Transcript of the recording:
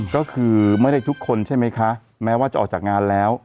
ก็คือไม่ได้ทุกคนใช่ไหมคะแม้ว่าจะออกจากงานแล้ว